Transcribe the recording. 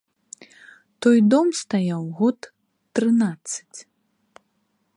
Той дом стаяў год трынаццаць.